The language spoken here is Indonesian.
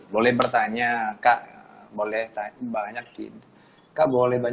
boleh bertanya kak boleh banyak tidak